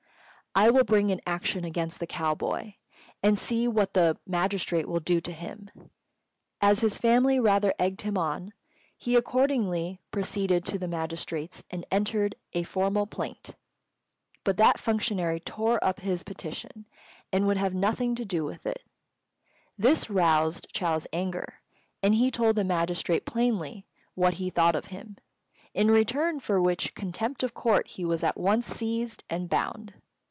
I will bring an action against the cow boy, and see what the magistrate will do to him." As his family rather egged him on, he accordingly proceeded to the magistrate's and entered a formal plaint; but that functionary tore up his petition, and would have nothing to do with it. This roused Chou's anger, and he told the magistrate plainly what he thought of him, in return for which contempt of court he was at once seized and bound.